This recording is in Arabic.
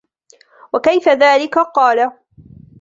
وَكَيْفَ ذَلِكَ ؟ قَالَ